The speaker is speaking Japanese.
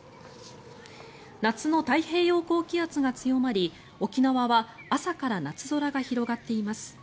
夏の太平洋高気圧が強まり沖縄は朝から夏空が広がっています。